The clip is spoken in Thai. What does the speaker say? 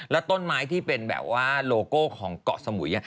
แล้วต้นไม้ที่เป็นแบบว่าโลโก้ของเกาะสมุย